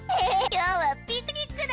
今日はピクニックだ！